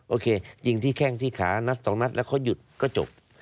โอเคยิงที่แข้งที่ขานัดสองนัดแล้วเขาหยุดก็จบ